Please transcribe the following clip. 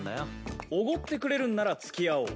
おごってくれるんなら付き合おう。